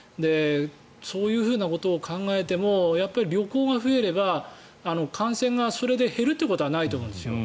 そういうことを考えてもやっぱり旅行が増えれば感染がそれで減るということはないと思うんですよ。